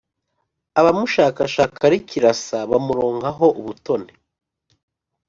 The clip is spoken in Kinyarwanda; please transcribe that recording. abamushakashaka rikirasa, bamuronkaho ubutoni.